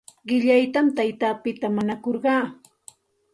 Qillaytam taytapita mañakurqaa.